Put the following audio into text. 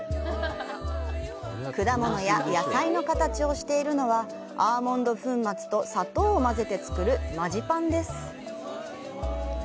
果物や野菜の形をしているのはアーモンド粉末と砂糖を混ぜて作るマジパンです。